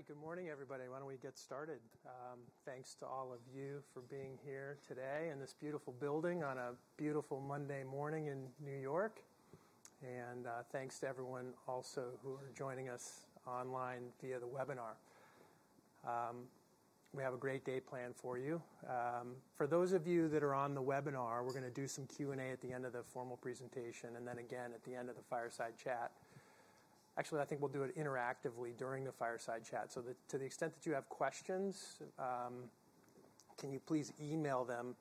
All right. Good morning, everybody. Why don't we get started? Thanks to all of you for being here today in this beautiful building on a beautiful Monday morning in New York. Thanks to everyone also who are joining us online via the webinar. We have a great day planned for you. For those of you that are on the webinar, we're gonna do some Q&A at the end of the formal presentation, and then again at the end of the fireside chat. Actually, I think we'll do it interactively during the fireside chat. So to the extent that you have questions, can you please email them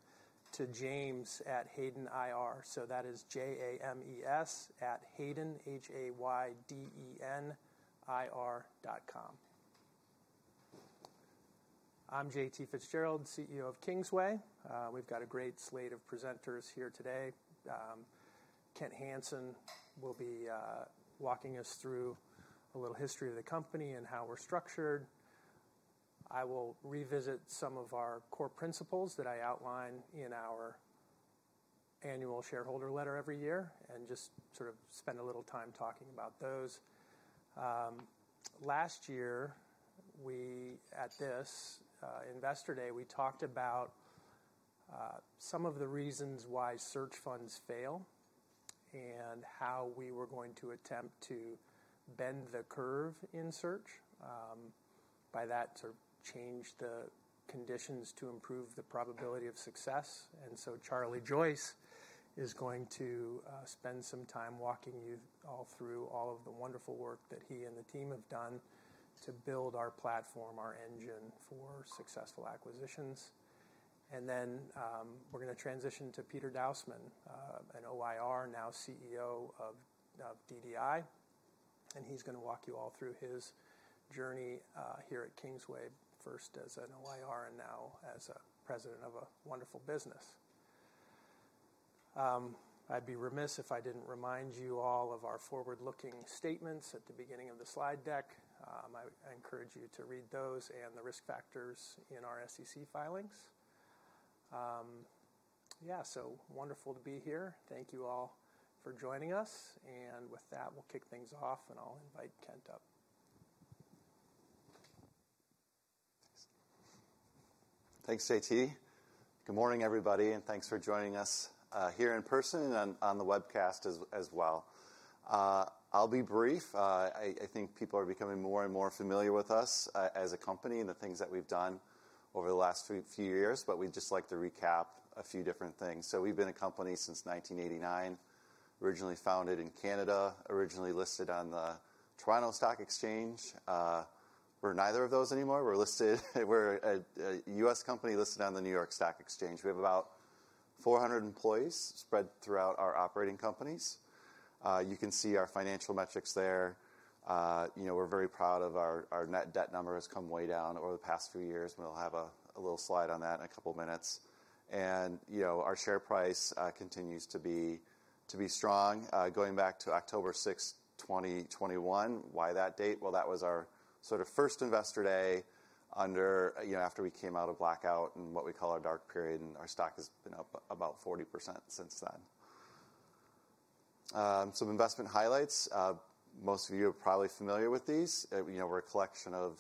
to james@haydenir? So that is J-A-M-E-S @ hayden, H-A-Y-D-E-N-I-R .com. I'm J.T. Fitzgerald, CEO of Kingsway. We've got a great slate of presenters here today. Kent Hansen will be walking us through a little history of the company and how we're structured. I will revisit some of our core principles that I outlined in our annual shareholder letter every year and just sort of spend a little time talking about those. Last year, we at this Investor Day, we talked about some of the reasons why search funds fail and how we were going to attempt to bend the curve in search. By that, sort of change the conditions to improve the probability of success. And so Charlie Joyce is going to spend some time walking you all through all of the wonderful work that he and the team have done to build our platform, our engine for successful acquisitions. And then, we're gonna transition to Peter Dausman, an OIR, now CEO of DDI, and he's gonna walk you all through his journey, here at Kingsway, first as an OIR and now as a president of a wonderful business. I'd be remiss if I didn't remind you all of our forward-looking statements at the beginning of the slide deck. I encourage you to read those and the risk factors in our SEC filings. Yeah, so wonderful to be here. Thank you all for joining us, and with that, we'll kick things off, and I'll invite Kent up. Thanks, J.T. Good morning, everybody, and thanks for joining us here in person and on the webcast as well. I'll be brief. I think people are becoming more and more familiar with us as a company and the things that we've done over the last few years, but we'd just like to recap a few different things. So we've been a company since 1989, originally founded in Canada, originally listed on the Toronto Stock Exchange. We're neither of those anymore. We're listed. We're a US company listed on the New York Stock Exchange. We have about 400 employees spread throughout our operating companies. You can see our financial metrics there. You know, we're very proud of our, our net debt number has come way down over the past few years, and we'll have a little slide on that in a couple of minutes. You know, our share price continues to be strong, going back to October 6, 2021. Why that date? Well, that was our sort of first Investor Day under you know, after we came out of blackout in what we call our dark period, and our stock has been up about 40% since then. Some investment highlights. Most of you are probably familiar with these. You know, we're a collection of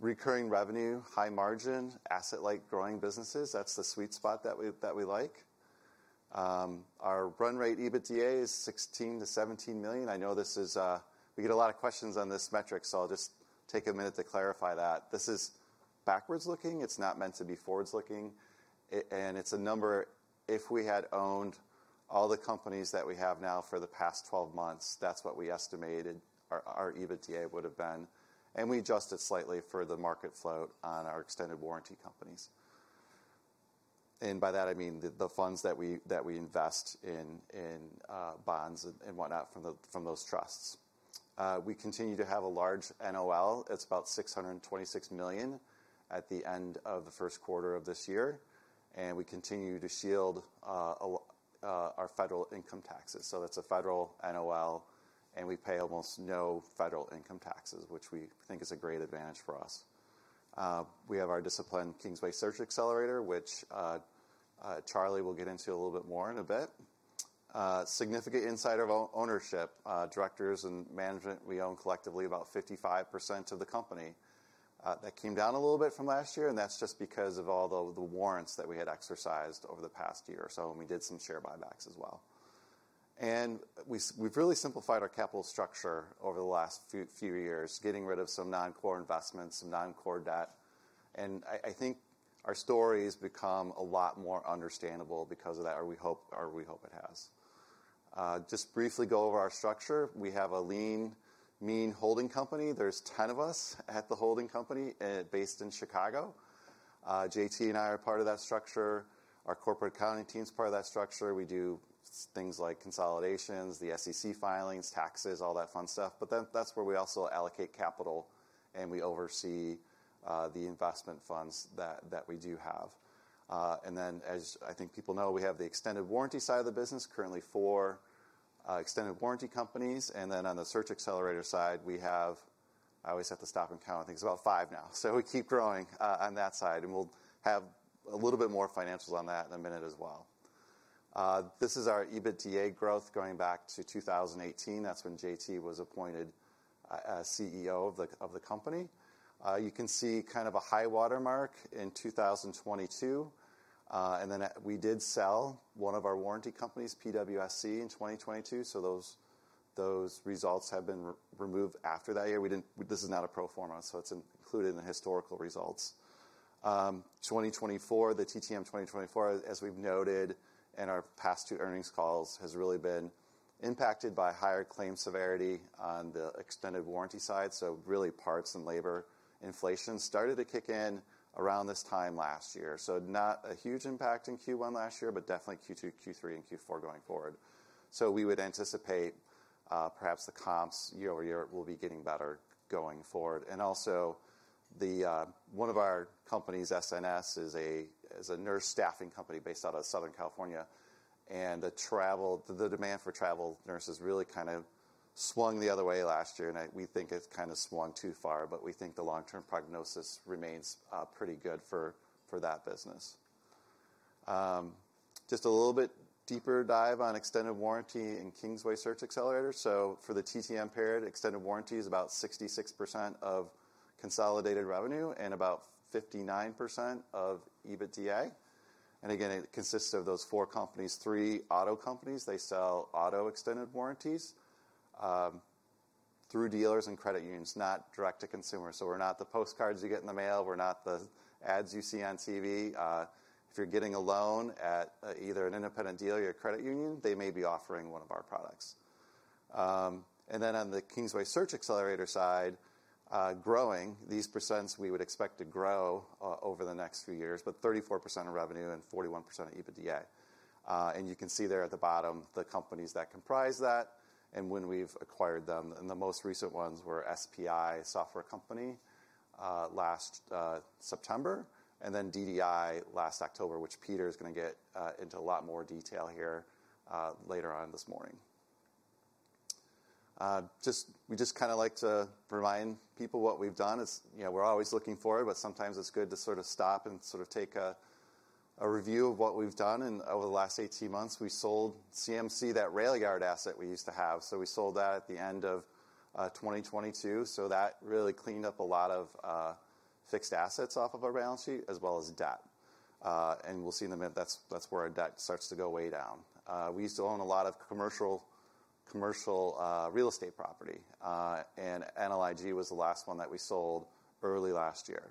recurring revenue, high margin, asset-like growing businesses. That's the sweet spot that we, that we like. Our run rate EBITDA is $16 million-$17 million. I know this is a, we get a lot of questions on this metric, so I'll just take a minute to clarify that. This is backwards-looking. It's not meant to be forwards-looking. And it's a number, if we had owned all the companies that we have now for the past 12 months, that's what we estimated our, our EBITDA would have been, and we adjusted slightly for the market float on our extended warranty companies. And by that, I mean the, the funds that we, that we invest in, in, bonds and, and whatnot from the, from those trusts. We continue to have a large NOL. It's about $626 million at the end of the first quarter of this year, and we continue to shield, a lo-, our federal income taxes. So it's a federal NOL, and we pay almost no federal income taxes, which we think is a great advantage for us. We have our disciplined Kingsway Search Xcelerator, which Charlie will get into a little bit more in a bit. Significant insider ownership, directors and management, we own collectively about 55% of the company. That came down a little bit from last year, and that's just because of all the warrants that we had exercised over the past year or so, and we did some share buybacks as well. We've really simplified our capital structure over the last few years, getting rid of some non-core investments, some non-core debt, and I think our story has become a lot more understandable because of that, or we hope, or we hope it has. Just briefly go over our structure. We have a lean, mean holding company. There's 10 of us at the holding company, based in Chicago. J.T. and I are part of that structure. Our corporate accounting team is part of that structure. We do things like consolidations, the SEC filings, taxes, all that fun stuff, but then that's where we also allocate capital, and we oversee the investment funds that we do have. And then, as I think people know, we have the extended warranty side of the business, currently four extended warranty companies, and then on the search accelerator side, we have... I always have to stop and count, I think it's about five now. So we keep growing on that side, and we'll have a little bit more financials on that in a minute as well. This is our EBITDA growth going back to 2018. That's when J.T. was appointed as CEO of the company. You can see kind of a high watermark in 2022, and then we did sell one of our warranty companies, PWSC, in 2022, so those results have been removed after that year. This is not a pro forma, so it's included in the historical results. 2024, the TTM 2024, as we've noted in our past two earnings calls, has really been impacted by higher claim severity on the extended warranty side. So really, parts and labor inflation started to kick in around this time last year. So not a huge impact in Q1 last year, but definitely Q2, Q3, and Q4 going forward. So we would anticipate, perhaps the comps year over year will be getting better going forward. And also, one of our companies, SNS, is a nurse staffing company based out of Southern California, and the demand for travel nurses really kind of swung the other way last year, and we think it kind of swung too far, but we think the long-term prognosis remains pretty good for that business. Just a little bit deeper dive on extended warranty and Kingsway Search Xcelerator. So for the TTM period, extended warranty is about 66% of consolidated revenue and about 59% of EBITDA. And again, it consists of those four companies. Three auto companies, they sell auto extended warranties through dealers and credit unions, not direct to consumer. So we're not the postcards you get in the mail, we're not the ads you see on TV. If you're getting a loan at either an independent dealer or credit union, they may be offering one of our products. And then on the Kingsway Search Xcelerator side, growing, these percents we would expect to grow over the next few years, but 34% of revenue and 41% of EBITDA. And you can see there at the bottom, the companies that comprise that and when we've acquired them, and the most recent ones were SPI, a software company, last September, and then DDI last October, which Peter is gonna get into a lot more detail here later on this morning. Just-- We just kinda like to remind people what we've done. As you know, we're always looking forward, but sometimes it's good to sort of stop and sort of take a review of what we've done, and over the last 18 months, we sold CMC, that rail yard asset we used to have. So we sold that at the end of 2022, so that really cleaned up a lot of fixed assets off of our balance sheet, as well as debt. And we'll see in a minute, that's where our debt starts to go way down. We used to own a lot of commercial real estate property, and NLIG was the last one that we sold early last year.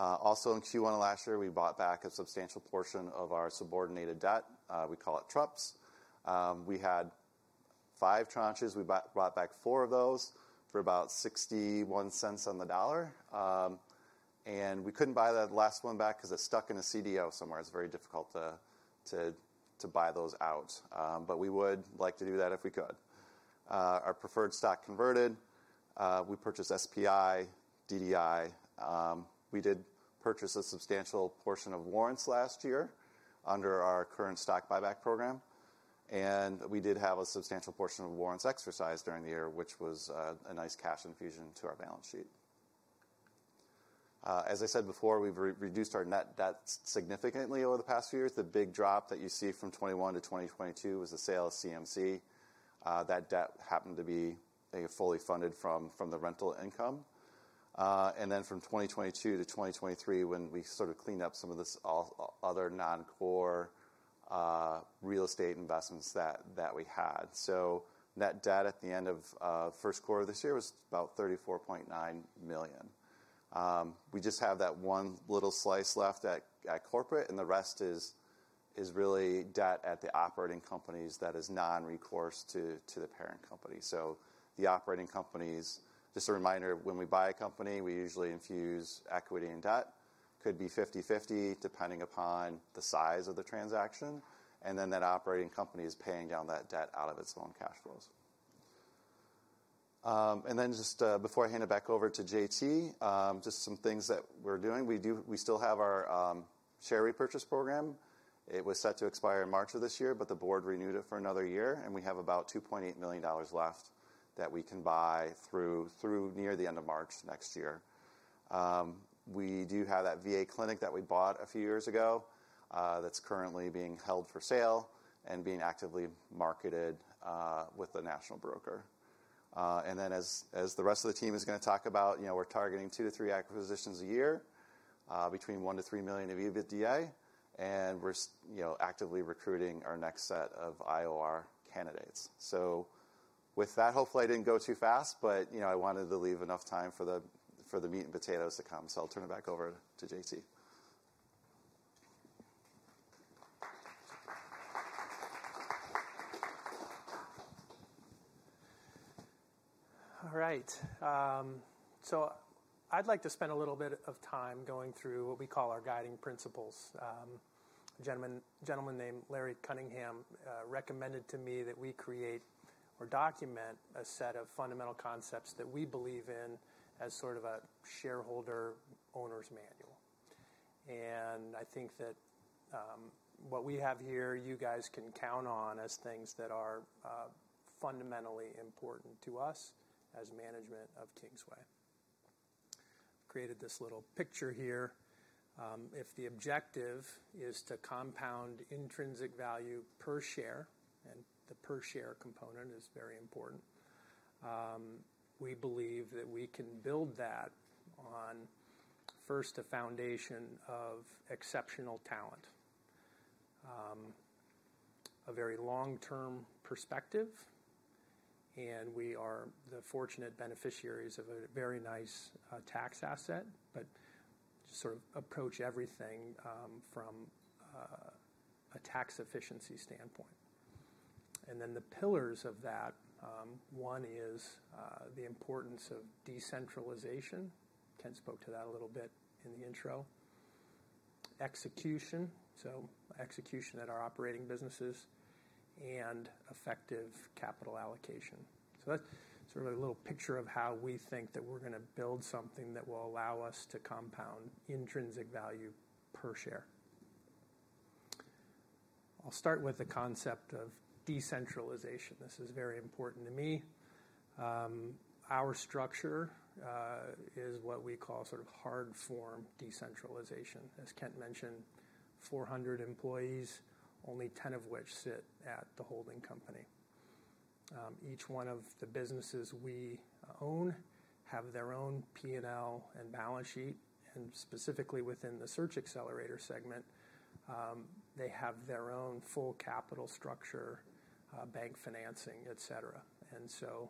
Also in Q1 of last year, we bought back a substantial portion of our subordinated debt. We call it TRUPS. We had five tranches. We bought back four of those for about $0.61 on the dollar. And we couldn't buy that last one back because it's stuck in a CDO somewhere. It's very difficult to buy those out, but we would like to do that if we could. Our preferred stock converted. We purchased SPI, DDI. We did purchase a substantial portion of warrants last year under our current stock buyback program, and we did have a substantial portion of warrants exercised during the year, which was a nice cash infusion to our balance sheet. As I said before, we've reduced our net debt significantly over the past few years. The big drop that you see from 2021 to 2022 was the sale of CMC. That debt happened to be fully funded from the rental income. And then from 2022 to 2023, when we sort of cleaned up some of this other non-core real estate investments that we had. So net debt at the end of first quarter this year was about $34.9 million. We just have that one little slice left at corporate, and the rest is really debt at the operating companies that is non-recourse to the parent company. So the operating companies... Just a reminder, when we buy a company, we usually infuse equity and debt. Could be 50/50, depending upon the size of the transaction, and then that operating company is paying down that debt out of its own cash flows. And then just before I hand it back over to J.T., just some things that we're doing. We do we still have our share repurchase program. It was set to expire in March of this year, but the board renewed it for another year, and we have about $2.8 million left that we can buy through near the end of March next year. We do have that VA clinic that we bought a few years ago, that's currently being held for sale and being actively marketed with a national broker. And then as the rest of the team is gonna talk about, you know, we're targeting two to three acquisitions a year, between $1 million-$3 million of EBITDA, and we're you know, actively recruiting our next set of OIR candidates. So with that, hopefully, I didn't go too fast, but, you know, I wanted to leave enough time for the, for the meat and potatoes to come. So I'll turn it back over to J.T. All right. So I'd like to spend a little bit of time going through what we call our guiding principles. A gentleman named Larry Cunningham recommended to me that we create or document a set of fundamental concepts that we believe in as sort of a shareholder owner's manual. And I think that, what we have here, you guys can count on as things that are, fundamentally important to us as management of Kingsway, created this little picture here. If the objective is to compound intrinsic value per share, and the per share component is very important, we believe that we can build that on, first, a foundation of exceptional talent, a very long-term perspective, and we are the fortunate beneficiaries of a very nice, tax asset, but sort of approach everything from a tax efficiency standpoint. And then the pillars of that, one is, the importance of decentralization. Kent spoke to that a little bit in the intro. Execution, so execution at our operating businesses, and effective capital allocation. So that's sort of a little picture of how we think that we're gonna build something that will allow us to compound intrinsic value per share. I'll start with the concept of decentralization. This is very important to me. Our structure is what we call sort of hard-form decentralization. As Kent mentioned, 400 employees, only 10 of which sit at the holding company. Each one of the businesses we own have their own P&L and balance sheet, and specifically within the search accelerator segment, they have their own full capital structure, bank financing, et cetera. And so,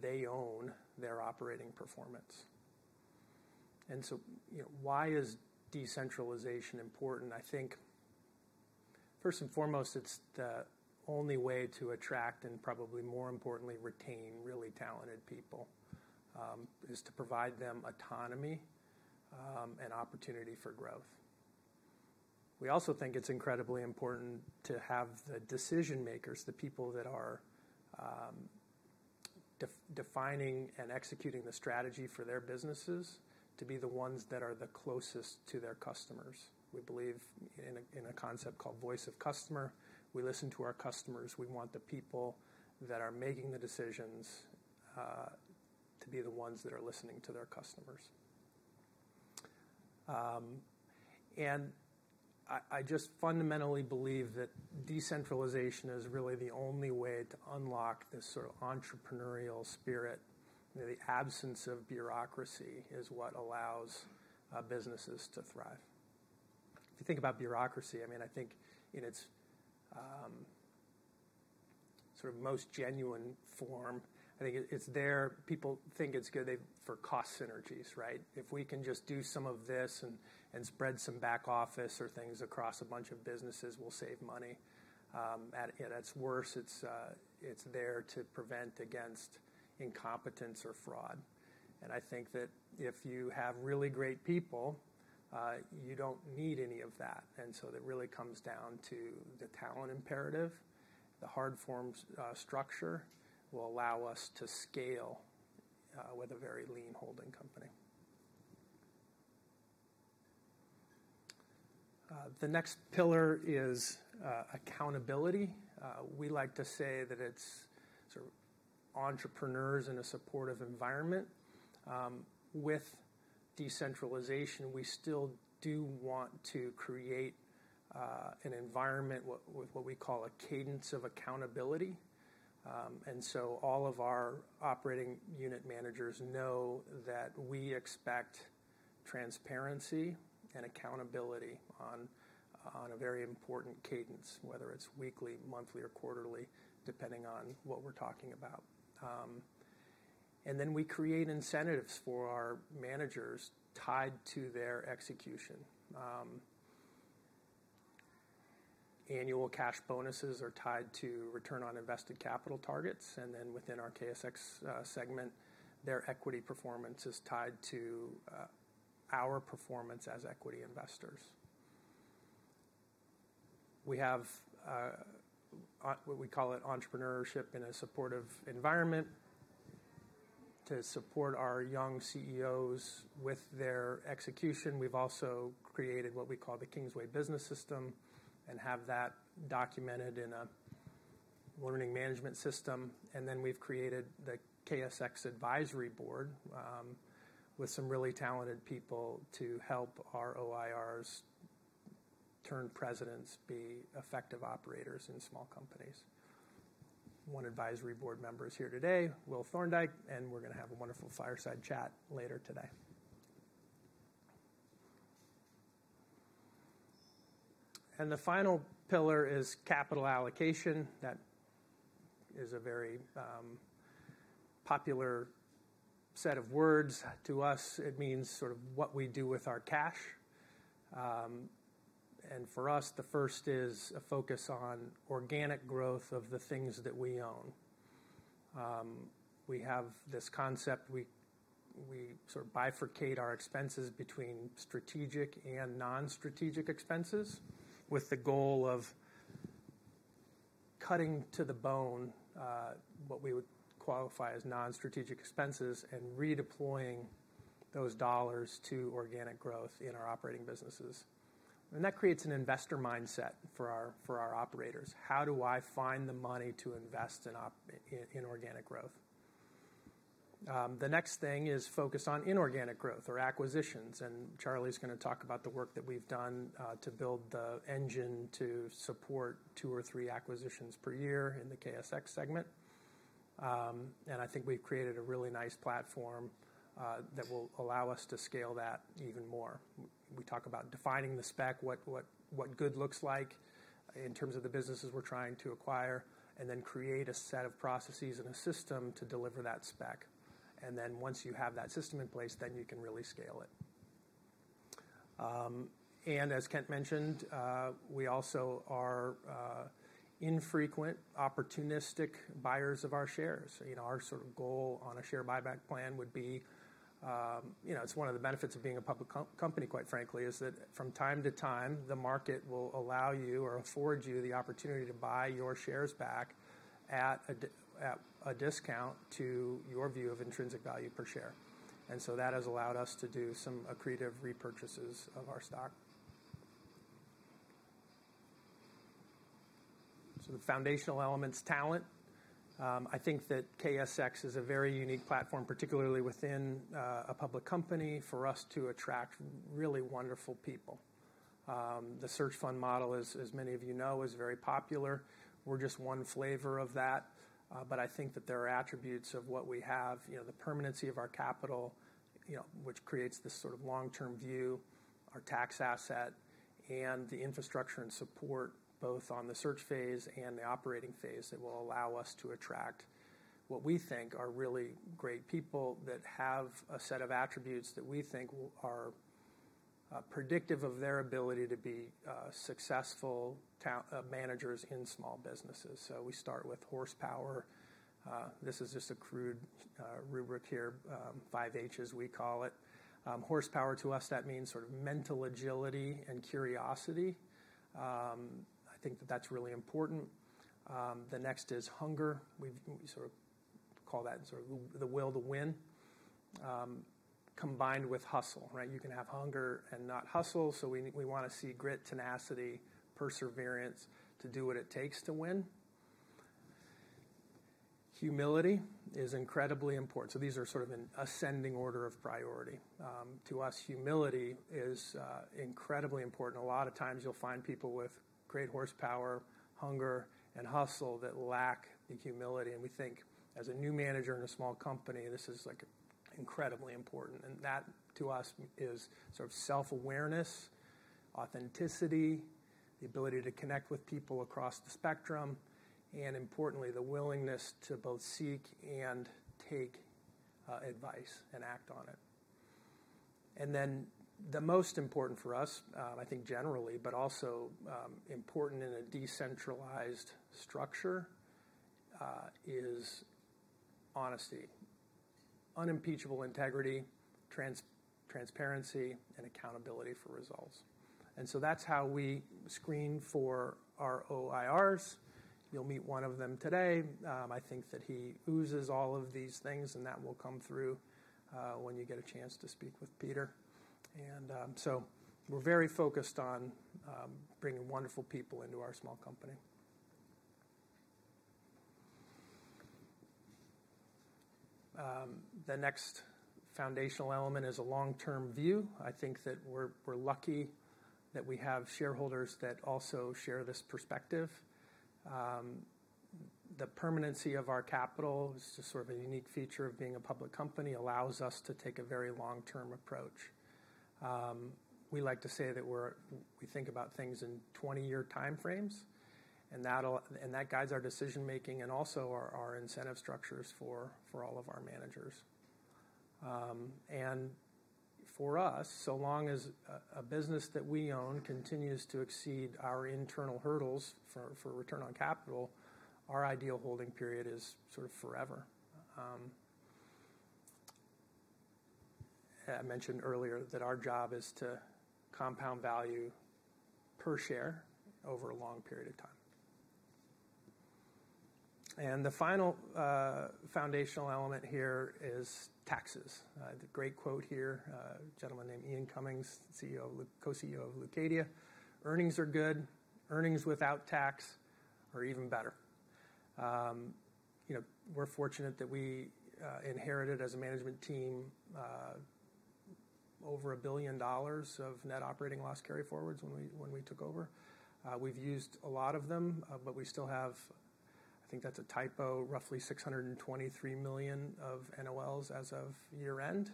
they own their operating performance. So, you know, why is decentralization important? I think, first and foremost, it's the only way to attract, and probably more importantly, retain really talented people, is to provide them autonomy, and opportunity for growth. We also think it's incredibly important to have the decision makers, the people that are defining and executing the strategy for their businesses, to be the ones that are the closest to their customers. We believe in a concept called voice of customer. We listen to our customers. We want the people that are making the decisions to be the ones that are listening to their customers. And I just fundamentally believe that decentralization is really the only way to unlock this sort of entrepreneurial spirit, where the absence of bureaucracy is what allows businesses to thrive. If you think about bureaucracy, I mean, I think in its sort of most genuine form, I think it's there. People think it's good for cost synergies, right? "If we can just do some of this and spread some back office or things across a bunch of businesses, we'll save money." At its worst, it's there to prevent against incompetence or fraud. And I think that if you have really great people, you don't need any of that. And so it really comes down to the talent imperative. The hard-form structure will allow us to scale with a very lean holding company. The next pillar is accountability. We like to say that it's sort of entrepreneurs in a supportive environment. With decentralization, we still do want to create an environment with what we call a cadence of accountability. And so all of our operating unit managers know that we expect transparency and accountability on a very important cadence, whether it's weekly, monthly, or quarterly, depending on what we're talking about. And then we create incentives for our managers tied to their execution. Annual cash bonuses are tied to return on invested capital targets, and then within our KSX segment, their equity performance is tied to our performance as equity investors. We have what we call entrepreneurship in a supportive environment. To support our young CEOs with their execution, we've also created what we call the Kingsway Business System and have that documented in a learning management system. And then we've created the KSX Advisory Board with some really talented people to help our OIRs turned presidents be effective operators in small companies. One advisory board member is here today, Will Thorndike, and we're gonna have a wonderful fireside chat later today. The final pillar is capital allocation. That is a very popular set of words. To us, it means sort of what we do with our cash. And for us, the first is a focus on organic growth of the things that we own. We have this concept. We sort of bifurcate our expenses between strategic and non-strategic expenses, with the goal of cutting to the bone what we would qualify as non-strategic expenses and redeploying those dollars to organic growth in our operating businesses. And that creates an investor mindset for our operators. How do I find the money to invest in organic growth? The next thing is focus on inorganic growth or acquisitions, and Charlie's gonna talk about the work that we've done to build the engine to support two or three acquisitions per year in the KSX segment. And I think we've created a really nice platform that will allow us to scale that even more. We talk about defining the spec, what good looks like in terms of the businesses we're trying to acquire, and then create a set of processes and a system to deliver that spec. And then once you have that system in place, then you can really scale it. And as Kent mentioned, we also are infrequent, opportunistic buyers of our shares. You know, our sort of goal on a share buyback plan would be. You know, it's one of the benefits of being a public company, quite frankly, is that from time to time, the market will allow you or afford you the opportunity to buy your shares back at a discount to your view of intrinsic value per share. And so that has allowed us to do some accretive repurchases of our stock. So the foundational elements, talent. I think that KSX is a very unique platform, particularly within a public company, for us to attract really wonderful people. The search fund model, as many of you know, is very popular. We're just one flavor of that, but I think that there are attributes of what we have, you know, the permanency of our capital, you know, which creates this sort of long-term view, our tax asset, and the infrastructure and support, both on the search phase and the operating phase, that will allow us to attract what we think are really great people that have a set of attributes that we think are predictive of their ability to be successful managers in small businesses. So we start with horsepower. This is just a crude rubric here, five Hs, we call it. Horsepower, to us, that means sort of mental agility and curiosity. The next is hunger. We've, we sort of call that sort of the will to win, combined with hustle, right? You can have hunger and not hustle, so we wanna see grit, tenacity, perseverance to do what it takes to win. Humility is incredibly important. So these are sort of in ascending order of priority. To us, humility is incredibly important. A lot of times you'll find people with great horsepower, hunger, and hustle that lack the humility, and we think as a new manager in a small company, this is, like, incredibly important. And that, to us, is sort of self-awareness, authenticity, the ability to connect with people across the spectrum, and importantly, the willingness to both seek and take advice and act on it. Then the most important for us, I think generally, but also, important in a decentralized structure, is honesty, unimpeachable integrity, transparency, and accountability for results. So that's how we screen for our OIRs. You'll meet one of them today. I think that he oozes all of these things, and that will come through, when you get a chance to speak with Peter. So we're very focused on, bringing wonderful people into our small company. The next foundational element is a long-term view. I think that we're lucky that we have shareholders that also share this perspective. The permanency of our capital, which is sort of a unique feature of being a public company, allows us to take a very long-term approach. We like to say that we're-- we think about things in 20-year time frames, and that'll... and that guides our decision-making and also our, our incentive structures for, for all of our managers. And for us, so long as a business that we own continues to exceed our internal hurdles for return on capital, our ideal holding period is sort of forever. I mentioned earlier that our job is to compound value per share over a long period of time. The final foundational element here is taxes. The great quote here, a gentleman named Ian Cumming, co-CEO of Leucadia, "Earnings are good. Earnings without tax are even better." You know, we're fortunate that we inherited, as a management team, over $1 billion of net operating loss carryforwards when we took over. We've used a lot of them, but we still have... I think that's a typo, roughly $623 million of NOLs as of year-end.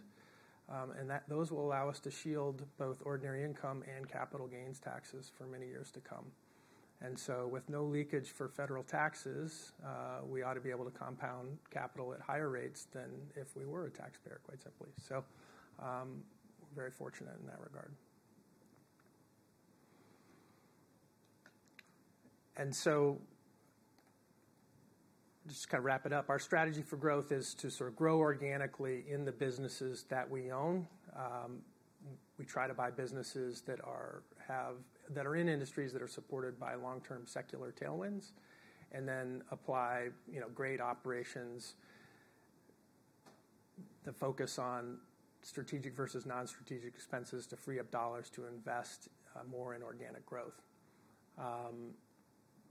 And those will allow us to shield both ordinary income and capital gains taxes for many years to come. And so with no leakage for federal taxes, we ought to be able to compound capital at higher rates than if we were a taxpayer, quite simply. So, we're very fortunate in that regard. And so just to kind of wrap it up, our strategy for growth is to sort of grow organically in the businesses that we own. We try to buy businesses that are in industries that are supported by long-term secular tailwinds and then apply, you know, great operations. The focus on strategic versus non-strategic expenses to free up dollars to invest more in organic growth. A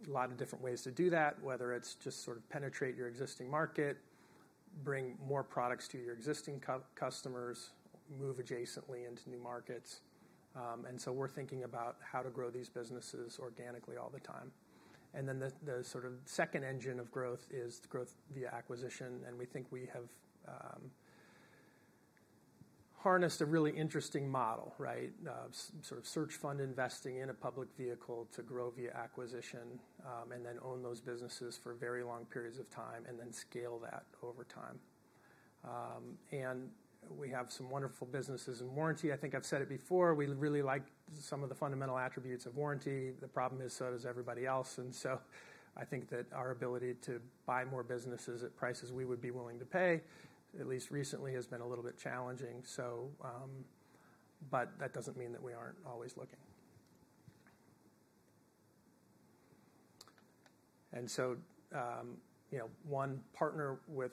lot of different ways to do that, whether it's just sort of penetrate your existing market, bring more products to your existing customers, move adjacently into new markets. And so we're thinking about how to grow these businesses organically all the time. And then the sort of second engine of growth is the growth via acquisition, and we think we have harnessed a really interesting model, right? Sort of search fund investing in a public vehicle to grow via acquisition, and then own those businesses for very long periods of time and then scale that over time. And we have some wonderful businesses in warranty. I think I've said it before, we really like some of the fundamental attributes of warranty. The problem is, so does everybody else, and so I think that our ability to buy more businesses at prices we would be willing to pay, at least recently, has been a little bit challenging. But that doesn't mean that we aren't always looking. So, you know, one, partner with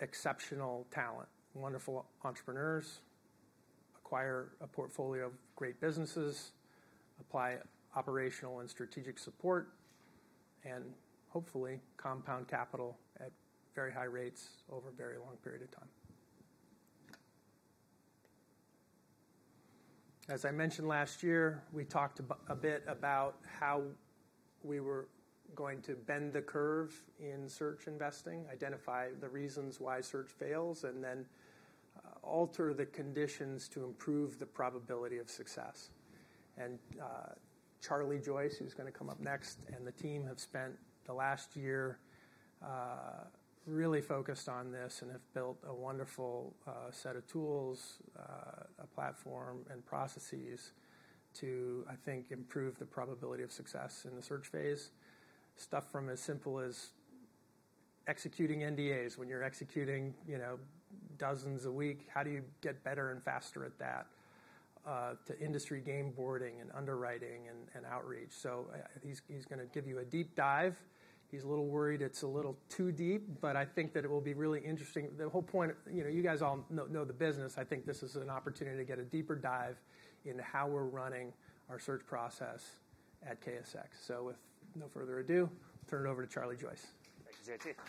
exceptional talent, wonderful entrepreneurs, acquire a portfolio of great businesses, apply operational and strategic support, and hopefully, compound capital at very high rates over a very long period of time. As I mentioned last year, we talked a bit about how we were going to bend the curve in search investing, identify the reasons why search fails, and then alter the conditions to improve the probability of success. Charlie Joyce, who's gonna come up next, and the team have spent the last year, really focused on this and have built a wonderful set of tools, a platform, and processes to, I think, improve the probability of success in the search phase. Stuff from as simple as executing NDAs. When you're executing, you know, dozens a week, how do you get better and faster at that? To industry game boarding and underwriting and outreach. So, he's gonna give you a deep dive. He's a little worried it's a little too deep, but I think that it will be really interesting. The whole point, you know, you guys all know the business. I think this is an opportunity to get a deeper dive into how we're running our search process at KSX. With no further ado, turn it over to Charlie Joyce. Thank you, J.T.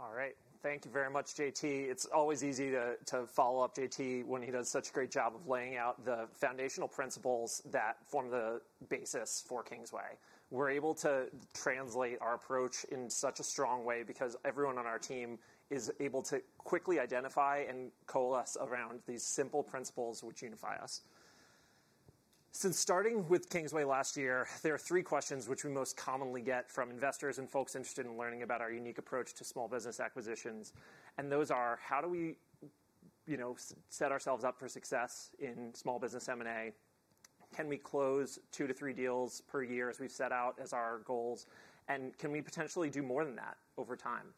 All right. Thank you very much, J.T. It's always easy to follow up J.T. when he does such a great job of laying out the foundational principles that form the basis for Kingsway. We're able to translate our approach in such a strong way because everyone on our team is able to quickly identify and coalesce around these simple principles which unify us. Since starting with Kingsway last year, there are three questions which we most commonly get from investors and folks interested in learning about our unique approach to small business acquisitions, and those are: how do we, you know, set ourselves up for success in small business M&A? Can we close two to three deals per year, as we've set out as our goals? And can we potentially do more than that over time?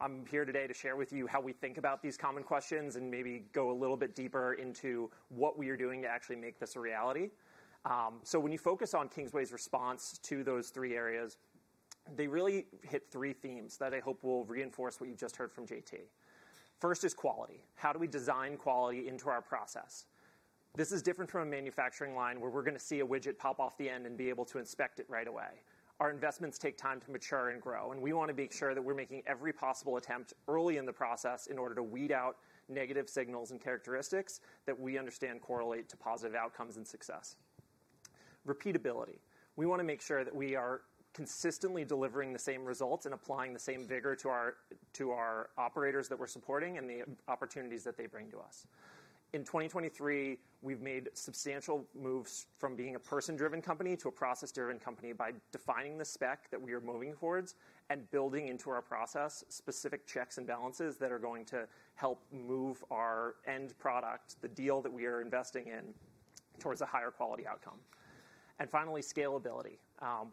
I'm here today to share with you how we think about these common questions and maybe go a little bit deeper into what we are doing to actually make this a reality. So when you focus on Kingsway's response to those three areas, they really hit three themes that I hope will reinforce what you just heard from J.T. First is quality. How do we design quality into our process? This is different from a manufacturing line, where we're going to see a widget pop off the end and be able to inspect it right away. Our investments take time to mature and grow, and we want to make sure that we're making every possible attempt early in the process in order to weed out negative signals and characteristics that we understand correlate to positive outcomes and success. Repeatability. We want to make sure that we are consistently delivering the same results and applying the same vigor to our operators that we're supporting and the opportunities that they bring to us. In 2023, we've made substantial moves from being a person-driven company to a process-driven company by defining the spec that we are moving towards and building into our process specific checks and balances that are going to help move our end product, the deal that we are investing in, towards a higher quality outcome. And finally, scalability.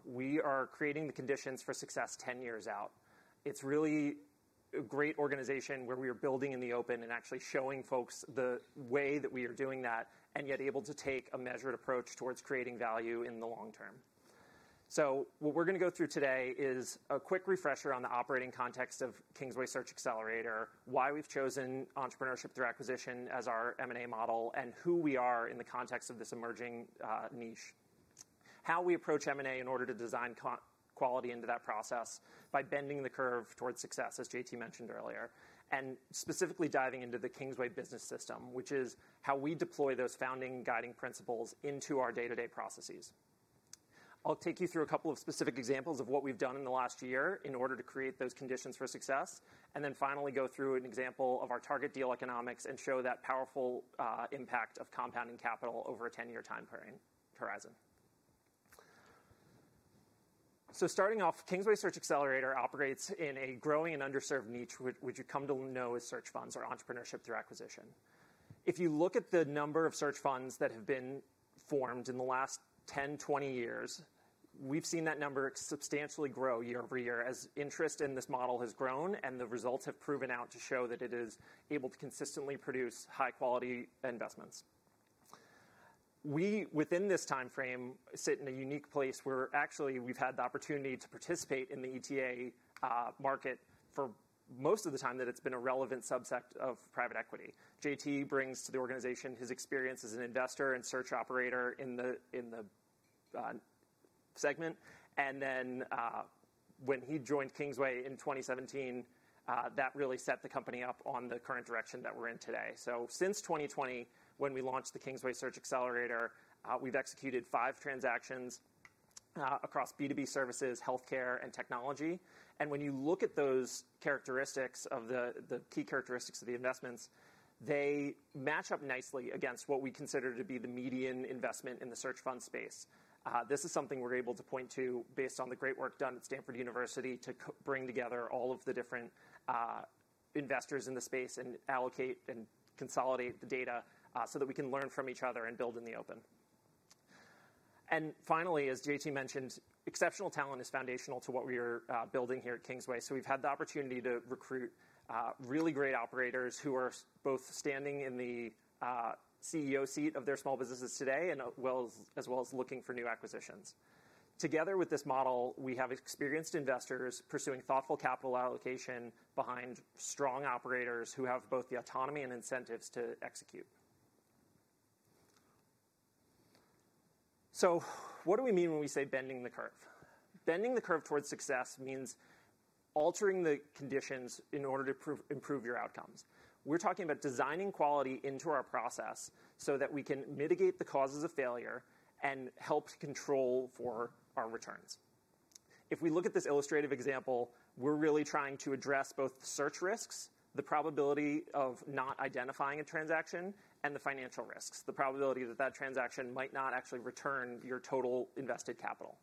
We are creating the conditions for success 10 years out. It's really a great organization where we are building in the open and actually showing folks the way that we are doing that, and yet able to take a measured approach towards creating value in the long term. So what we're going to go through today is a quick refresher on the operating context of Kingsway Search Xcelerator, why we've chosen entrepreneurship through acquisition as our M&A model, and who we are in the context of this emerging niche. How we approach M&A in order to design quality into that process by bending the curve towards success, as J.T. mentioned earlier, and specifically diving into the Kingsway Business System, which is how we deploy those founding guiding principles into our day-to-day processes. I'll take you through a couple of specific examples of what we've done in the last year in order to create those conditions for success, and then finally go through an example of our target deal economics and show that powerful impact of compounding capital over a 10-year time horizon. Starting off, Kingsway Search Xcelerator operates in a growing and underserved niche, which you come to know as search funds or entrepreneurship through acquisition. If you look at the number of search funds that have been formed in the last 10, 20 years, we've seen that number substantially grow year-over-year as interest in this model has grown, and the results have proven out to show that it is able to consistently produce high-quality investments. We, within this timeframe, sit in a unique place where actually we've had the opportunity to participate in the ETA market for most of the time that it's been a relevant subset of private equity. J.T. brings to the organization his experience as an investor and search operator in the segment, and then, when he joined Kingsway in 2017, that really set the company up on the current direction that we're in today. So since 2020, when we launched the Kingsway Search Xcelerator, we've executed five transactions across B2B services, healthcare, and technology. And when you look at those characteristics of the key characteristics of the investments, they match up nicely against what we consider to be the median investment in the search fund space. This is something we're able to point to based on the great work done at Stanford University to bring together all of the different investors in the space and allocate and consolidate the data so that we can learn from each other and build in the open. And finally, as J.T. mentioned, exceptional talent is foundational to what we are building here at Kingsway. So we've had the opportunity to recruit really great operators who are both standing in the CEO seat of their small businesses today and as well as looking for new acquisitions. Together with this model, we have experienced investors pursuing thoughtful capital allocation behind strong operators who have both the autonomy and incentives to execute. So what do we mean when we say bending the curve? Bending the curve towards success means altering the conditions in order to improve your outcomes. We're talking about designing quality into our process so that we can mitigate the causes of failure and help control for our returns. If we look at this illustrative example, we're really trying to address both search risks, the probability of not identifying a transaction, and the financial risks, the probability that that transaction might not actually return your total invested capital.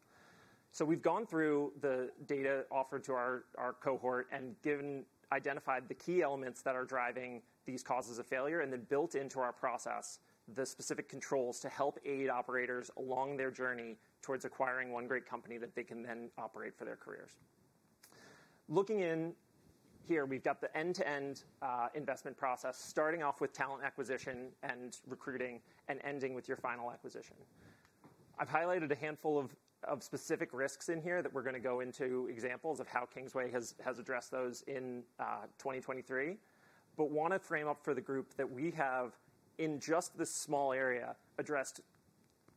So we've gone through the data offered to our cohort and identified the key elements that are driving these causes of failure, and then built into our process the specific controls to help aid operators along their journey towards acquiring one great company that they can then operate for their careers. Looking in here, we've got the end-to-end investment process, starting off with talent acquisition and recruiting and ending with your final acquisition. I've highlighted a handful of specific risks in here that we're gonna go into examples of how Kingsway has addressed those in 2023, but want to frame up for the group that we have, in just this small area, addressed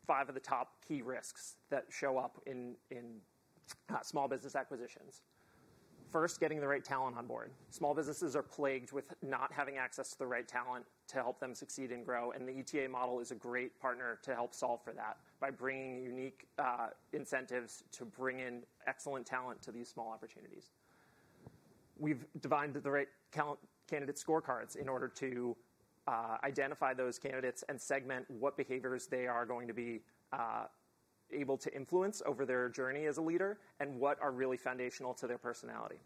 five of the top key risks that show up in small business acquisitions. First, getting the right talent on board. Small businesses are plagued with not having access to the right talent to help them succeed and grow, and the ETA model is a great partner to help solve for that by bringing unique incentives to bring in excellent talent to these small opportunities. We've divined the right talent candidate scorecards in order to identify those candidates and segment what behaviors they are going to be able to influence over their journey as a leader and what are really foundational to their personality.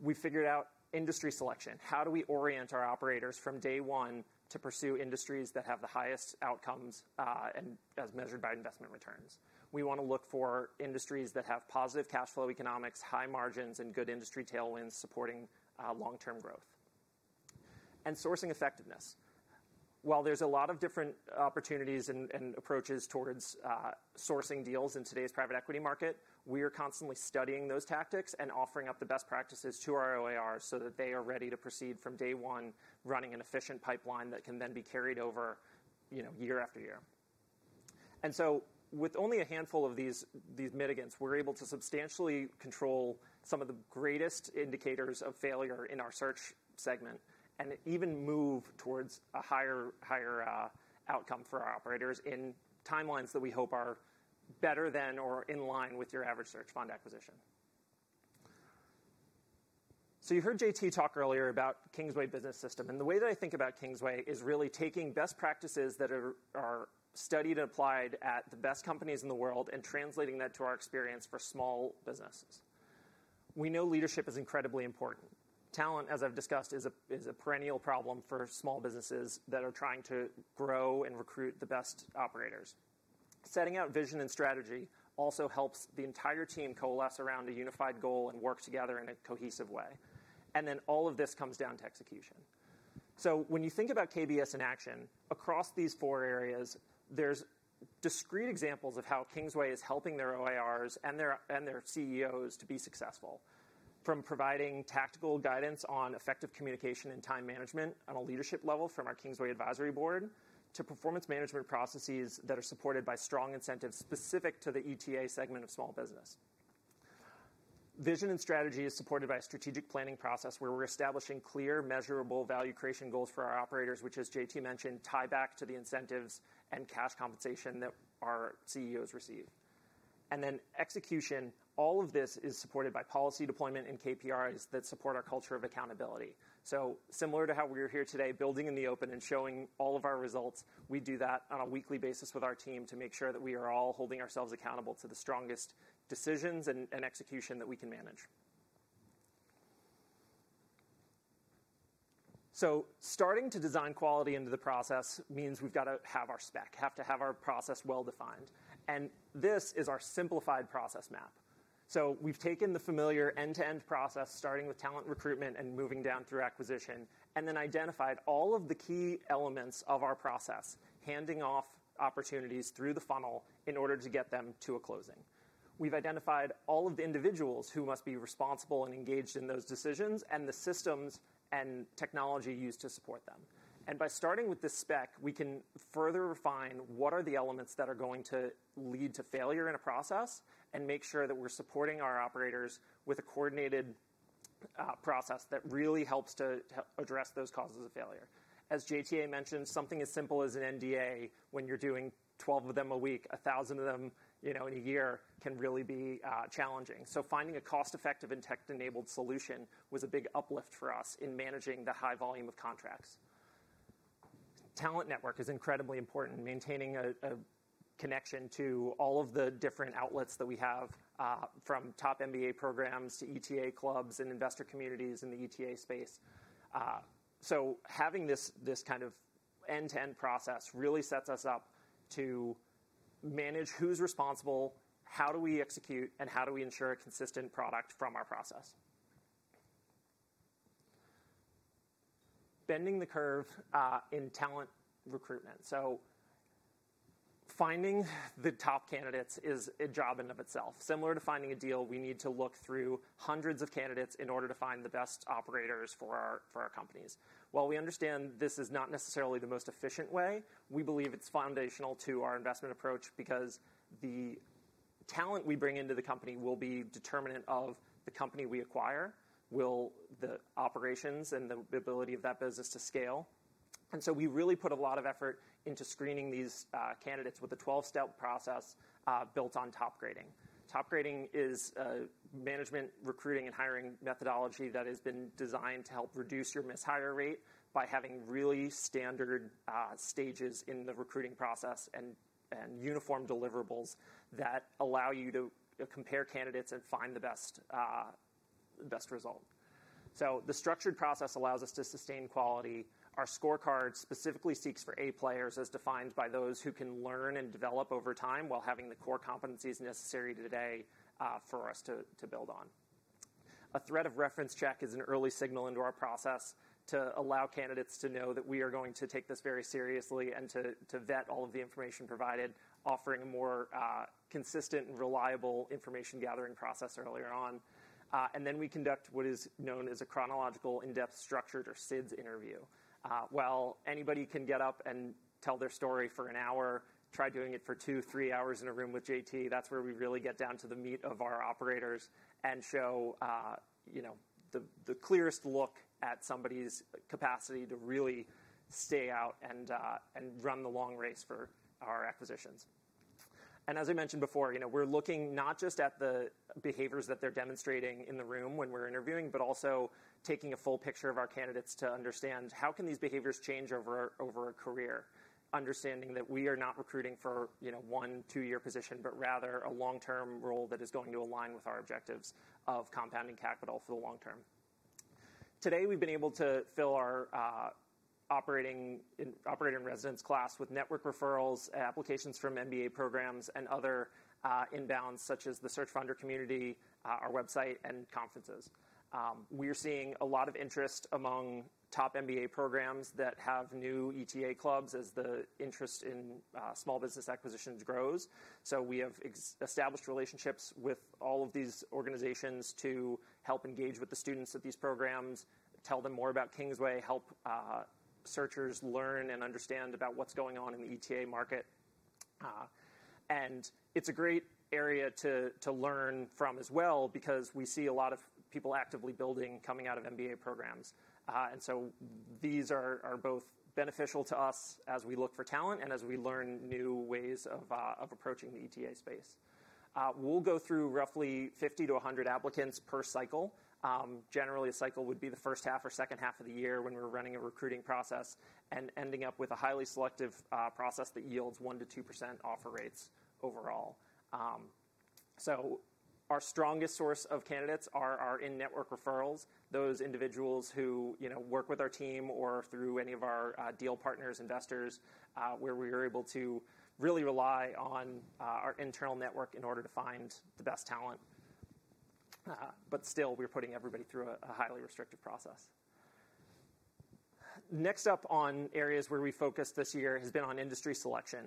We figured out industry selection. How do we orient our operators from day one to pursue industries that have the highest outcomes, and as measured by investment returns? We want to look for industries that have positive cash flow economics, high margins, and good industry tailwinds supporting long-term growth. And sourcing effectiveness. While there's a lot of different opportunities and approaches towards sourcing deals in today's private equity market, we are constantly studying those tactics and offering up the best practices to our OIRs so that they are ready to proceed from day one, running an efficient pipeline that can then be carried over, you know, year after year. And so with only a handful of these mitigants, we're able to substantially control some of the greatest indicators of failure in our search segment and even move towards a higher outcome for our operators in timelines that we hope are better than or in line with your average search fund acquisition. So you heard J.T. talk earlier about Kingsway Business System, and the way that I think about Kingsway is really taking best practices that are studied and applied at the best companies in the world and translating that to our experience for small businesses. We know leadership is incredibly important. Talent, as I've discussed, is a perennial problem for small businesses that are trying to grow and recruit the best operators. Setting out vision and strategy also helps the entire team coalesce around a unified goal and work together in a cohesive way. And then all of this comes down to execution. So when you think about KBS in action, across these four areas, there's discrete examples of how Kingsway is helping their OIRs and their CEOs to be successful. From providing tactical guidance on effective communication and time management on a leadership level from our Kingsway Advisory Board, to performance management processes that are supported by strong incentives specific to the ETA segment of small business. Vision and strategy is supported by a strategic planning process, where we're establishing clear, measurable value creation goals for our operators, which, as J.T. mentioned, tie back to the incentives and cash compensation that our CEOs receive. And then execution, all of this is supported by policy deployment and KPIs that support our culture of accountability. So similar to how we're here today, building in the open and showing all of our results, we do that on a weekly basis with our team to make sure that we are all holding ourselves accountable to the strongest decisions and execution that we can manage. So starting to design quality into the process means we've got to have our spec, have to have our process well-defined, and this is our simplified process map. So we've taken the familiar end-to-end process, starting with talent recruitment and moving down through acquisition, and then identified all of the key elements of our process, handing off opportunities through the funnel in order to get them to a closing. We've identified all of the individuals who must be responsible and engaged in those decisions and the systems and technology used to support them. And by starting with this spec, we can further refine what are the elements that are going to lead to failure in a process and make sure that we're supporting our operators with a coordinated process that really helps to address those causes of failure. As J.T. mentioned, something as simple as an NDA when you're doing 12 of them a week, 1,000 of them, you know, in a year, can really be challenging. So finding a cost-effective and tech-enabled solution was a big uplift for us in managing the high volume of contracts. Talent network is incredibly important, maintaining a connection to all of the different outlets that we have from top MBA programs to ETA clubs and investor communities in the ETA space. So having this kind of end-to-end process really sets us up to manage who's responsible, how do we execute, and how do we ensure a consistent product from our process? Bending the curve in talent recruitment. So finding the top candidates is a job in and of itself. Similar to finding a deal, we need to look through hundreds of candidates in order to find the best operators for our companies. While we understand this is not necessarily the most efficient way, we believe it's foundational to our investment approach because the talent we bring into the company will be determinant of the company we acquire, will the operations and the ability of that business to scale. And so we really put a lot of effort into screening these candidates with a 12-step process built on TopGrading. TopGrading is a management, recruiting, and hiring methodology that has been designed to help reduce your mis-hire rate by having really standard stages in the recruiting process and uniform deliverables that allow you to compare candidates and find the best the best result. So the structured process allows us to sustain quality. Our scorecard specifically seeks for A players, as defined by those who can learn and develop over time while having the core competencies necessary today for us to build on. A thread of reference check is an early signal into our process to allow candidates to know that we are going to take this very seriously and to vet all of the information provided, offering a more consistent and reliable information gathering process earlier on. And then we conduct what is known as a chronological in-depth, structured or CIDS interview. While anybody can get up and tell their story for an hour, try doing it for two, three hours in a room with J.T. That's where we really get down to the meat of our operators and show, you know, the clearest look at somebody's capacity to really stay out and run the long race for our acquisitions. As I mentioned before, you know, we're looking not just at the behaviors that they're demonstrating in the room when we're interviewing, but also taking a full picture of our candidates to understand: how can these behaviors change over a career? Understanding that we are not recruiting for, you know, one, two-year position, but rather a long-term role that is going to align with our objectives of compounding capital for the long term. Today, we've been able to fill our Operator in Residence class with network referrals, applications from MBA programs, and other inbounds, such as the Search Fund community, our website and conferences. We are seeing a lot of interest among top MBA programs that have new ETA clubs as the interest in small business acquisitions grows. So we have established relationships with all of these organizations to help engage with the students at these programs, tell them more about Kingsway, help searchers learn and understand about what's going on in the ETA market. And it's a great area to learn from as well, because we see a lot of people actively building coming out of MBA programs. And so these are both beneficial to us as we look for talent and as we learn new ways of approaching the ETA space. We'll go through roughly 50-100 applicants per cycle. Generally, a cycle would be the first half or second half of the year when we're running a recruiting process and ending up with a highly selective process that yields 1%-2% offer rates overall. So our strongest source of candidates are in-network referrals, those individuals who, you know, work with our team or through any of our deal partners, investors, where we are able to really rely on our internal network in order to find the best talent. But still, we're putting everybody through a highly restrictive process. Next up on areas where we focused this year has been on industry selection.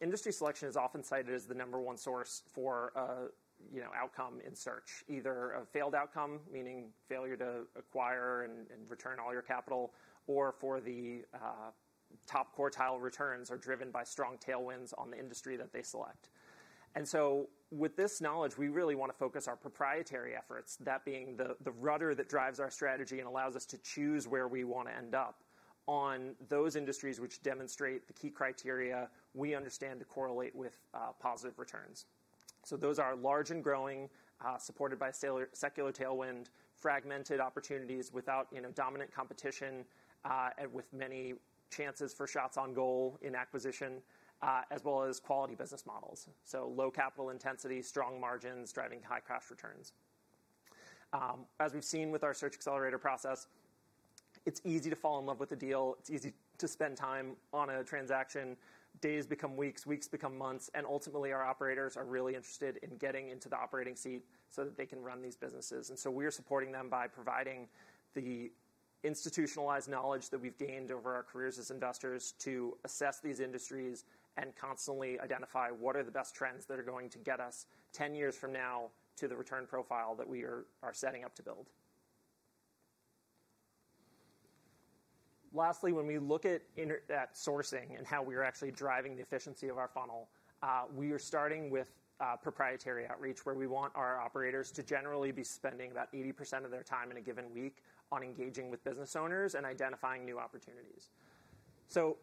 Industry selection is often cited as the number one source for, you know, outcome in search, either a failed outcome, meaning failure to acquire and, and return all your capital, or for the top quartile returns are driven by strong tailwinds on the industry that they select. And so with this knowledge, we really want to focus our proprietary efforts, that being the rudder that drives our strategy and allows us to choose where we want to end up on those industries which demonstrate the key criteria we understand to correlate with positive returns. So those are large and growing, supported by secular tailwind, fragmented opportunities without, you know, dominant competition, and with many chances for shots on goal in acquisition, as well as quality business models. So low capital intensity, strong margins, driving high cash returns. As we've seen with our search accelerator process, it's easy to fall in love with a deal. It's easy to spend time on a transaction. Days become weeks, weeks become months, and ultimately, our operators are really interested in getting into the operating seat so that they can run these businesses. And so we are supporting them by providing the institutionalized knowledge that we've gained over our careers as investors to assess these industries and constantly identify what are the best trends that are going to get us 10 years from now to the return profile that we are setting up to build. Lastly, when we look at sourcing and how we are actually driving the efficiency of our funnel, we are starting with proprietary outreach, where we want our operators to generally be spending about 80% of their time in a given week on engaging with business owners and identifying new opportunities. So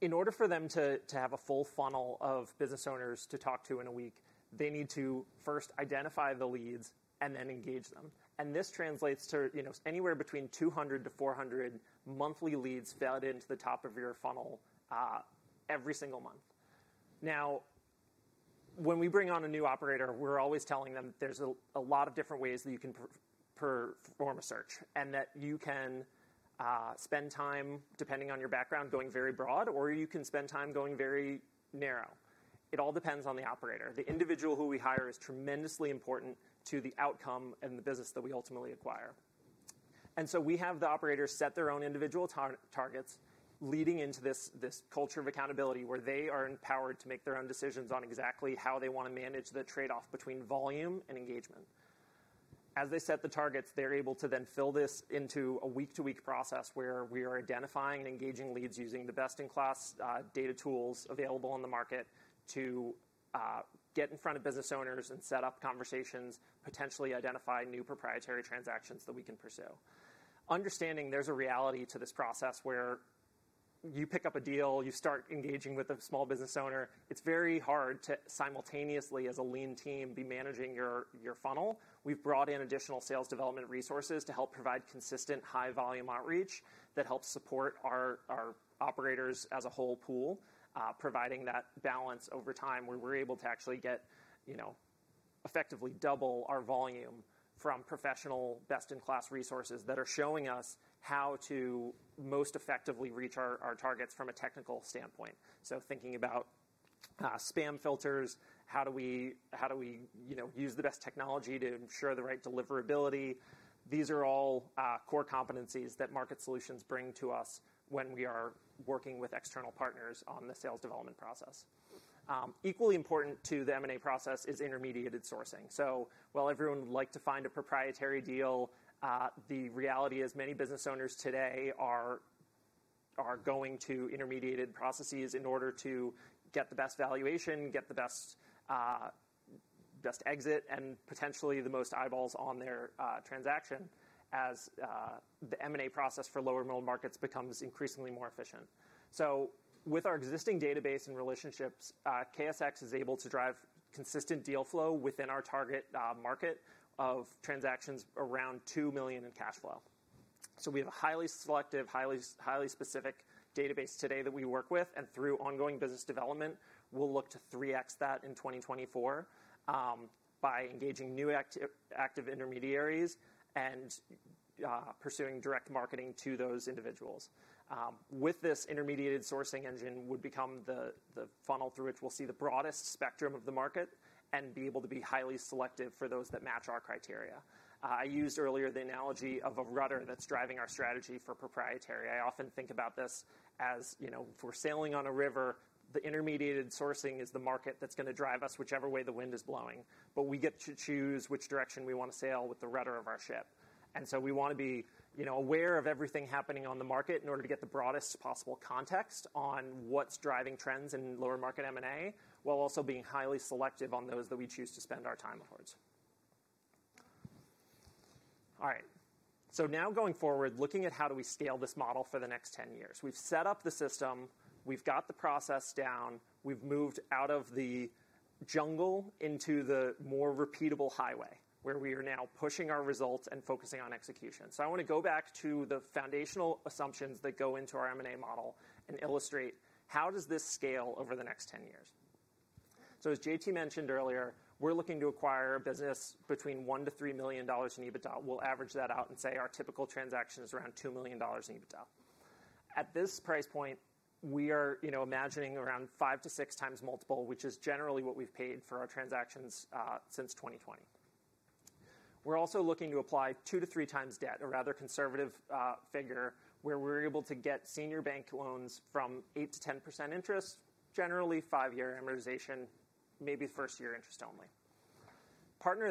in order for them to have a full funnel of business owners to talk to in a week, they need to first identify the leads and then engage them. And this translates to, you know, anywhere between 200-400 monthly leads fed into the top of your funnel every single month. Now, when we bring on a new operator, we're always telling them there's a lot of different ways that you can perform a search, and that you can spend time, depending on your background, going very broad, or you can spend time going very narrow. It all depends on the operator. The individual who we hire is tremendously important to the outcome and the business that we ultimately acquire. And so we have the operators set their own individual targets, leading into this culture of accountability, where they are empowered to make their own decisions on exactly how they want to manage the trade-off between volume and engagement. As they set the targets, they're able to then fill this into a week-to-week process where we are identifying and engaging leads, using the best-in-class data tools available on the market to get in front of business owners and set up conversations, potentially identify new proprietary transactions that we can pursue. Understanding there's a reality to this process where you pick up a deal, you start engaging with a small business owner. It's very hard to simultaneously, as a lean team, be managing your funnel. We've brought in additional sales development resources to help provide consistent, high-volume outreach that helps support our operators as a whole pool, providing that balance over time, where we're able to actually get, you know, effectively double our volume from professional, best-in-class resources that are showing us how to most effectively reach our targets from a technical standpoint. So thinking about spam filters, how do we, how do we, you know, use the best technology to ensure the right deliverability? These are all core competencies that market solutions bring to us when we are working with external partners on the sales development process. Equally important to the M&A process is intermediated sourcing. So while everyone would like to find a proprietary deal, the reality is many business owners today are, are going to intermediated processes in order to get the best valuation, get the best, best exit, and potentially the most eyeballs on their transaction as the M&A process for lower middle markets becomes increasingly more efficient. So with our existing database and relationships, KSX is able to drive consistent deal flow within our target market of transactions around $2 million in cash flow. So we have a highly selective, highly, highly specific database today that we work with, and through ongoing business development, we'll look to 3x that in 2024, by engaging new active intermediaries and pursuing direct marketing to those individuals. With this intermediated sourcing engine would become the funnel through which we'll see the broadest spectrum of the market and be able to be highly selective for those that match our criteria. I used earlier the analogy of a rudder that's driving our strategy for proprietary. I often think about this as, you know, if we're sailing on a river, the intermediated sourcing is the market that's gonna drive us whichever way the wind is blowing. But we get to choose which direction we want to sail with the rudder of our ship. And so we want to be, you know, aware of everything happening on the market in order to get the broadest possible context on what's driving trends in lower market M&A, while also being highly selective on those that we choose to spend our time towards. All right. So now going forward, looking at how do we scale this model for the next 10 years? We've set up the system, we've got the process down, we've moved out of the jungle into the more repeatable highway, where we are now pushing our results and focusing on execution. So I want to go back to the foundational assumptions that go into our M&A model and illustrate how does this scale over the next 10 years. So as J.T. mentioned earlier, we're looking to acquire a business between $1 million-$3 million in EBITDA. We'll average that out and say our typical transaction is around $2 million in EBITDA. At this price point, we are, you know, imagining around 5-6x multiple, which is generally what we've paid for our transactions since 2020. We're also looking to apply 2-3x debt, a rather conservative figure, where we're able to get senior bank loans from 8%-10% interest, generally five-year amortization, maybe first-year interest only. Partner-